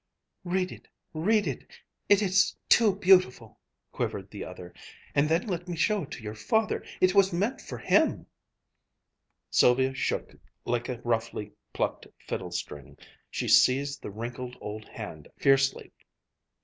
"Read it read it it is too beautiful!" quivered the other, "and then let me show it to your father. It was meant for him " Sylvia shook like a roughly plucked fiddle string. She seized the wrinkled old hand fiercely.